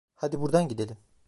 Hadi buradan gidelim.